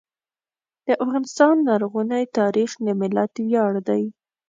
د افغانستان لرغونی تاریخ د ملت ویاړ دی.